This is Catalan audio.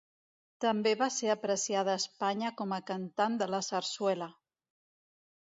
També va ser apreciada a Espanya com a cantant de la sarsuela.